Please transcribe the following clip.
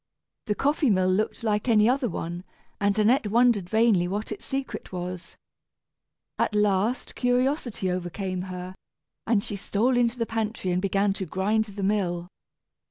The coffee mill looked like any other one, and Annette wondered vainly what its secret was. At last curiosity overcame her, and she stole into the pantry and began to grind the mill.